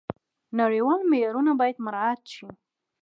نړیوال معیارونه باید مراعات شي.